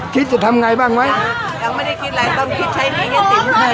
คิดจะทำง่ายบ้างไหมยังไม่ได้คิดอะไรต้อง